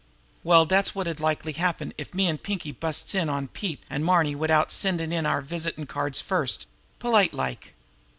Well, dat's wot 'd likely happen if me an' Pinkie busts in on Pete an' Marny widout sendin' in our visitin' cards first, polite like.